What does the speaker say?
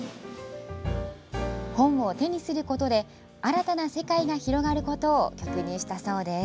本を手にすることで新たな世界が広がることを曲にしたそうです。